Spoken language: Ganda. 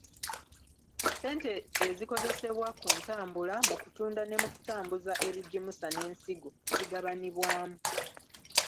Ssente ezikozesebwa ku ntambula, mu kutunda ne mu kutambuza ebigimusa n’ensigo zigabanibwamu.